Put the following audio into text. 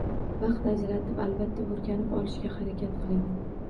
Vaqt ajratib, albatta o’rganib olishga harakat qiling